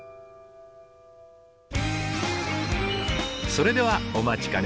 それではお待ちかね。